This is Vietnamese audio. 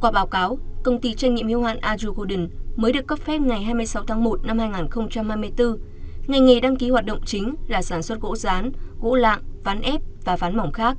qua báo cáo công ty trách nhiệm hưu hạn aju golden mới được cấp phép ngày hai mươi sáu tháng một năm hai nghìn hai mươi bốn ngành nghề đăng ký hoạt động chính là sản xuất gỗ rán gỗ lạng ván ép và ván mỏng khác